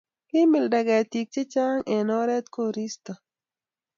kimilda ketik chechang' eng' oret koristo